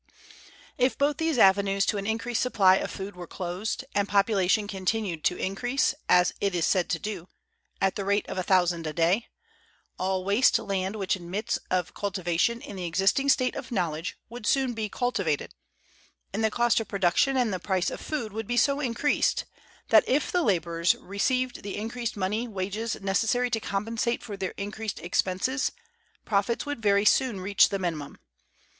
If both these avenues to an increased supply of food were closed, and population continued to increase, as it is said to do, at the rate of a thousand a day, all waste land which admits of cultivation in the existing state of knowledge would soon be cultivated, and the cost of production and price of food would be so increased that, if the laborers received the increased money wages necessary to compensate for their increased expenses, profits would very soon reach the minimum.